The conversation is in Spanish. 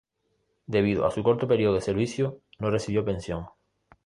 Debido a su corto periodo de servicio, no recibió pensión.